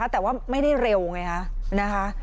แต่ว่าไม่ได้เร็วไงฮะนะคะ